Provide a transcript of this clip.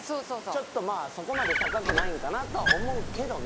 ちょっとまぁそこまで高くないんかなとは思うけどね。